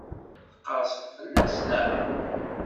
Tqerrseḍ fell-as, naɣ?